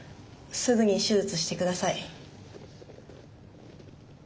すぐに手術して下さい。